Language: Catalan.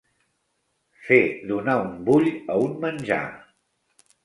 Fer donar un bull a un menjar.